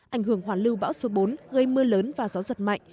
ảnh hưởng hoàn lưu bão số bốn gây mưa lớn và gió giật mạnh